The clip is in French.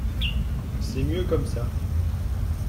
C’est mieux comme ça